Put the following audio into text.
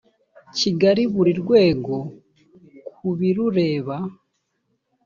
kigali buri rwego ku birureba